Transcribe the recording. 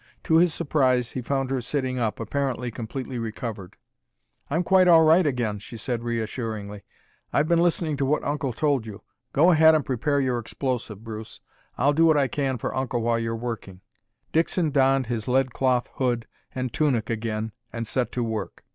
To his surprise, he found her sitting up, apparently completely recovered. "I'm quite all right again," she said reassuringly. "I've been listening to what Uncle told you. Go ahead and prepare your explosive, Bruce. I'll do what I can for Uncle while you're working." Dixon donned his lead cloth hood and tunic again and set to work.